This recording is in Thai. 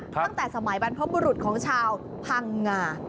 ตั้งแต่สมัยบรรพบุรุษของชาวพังงา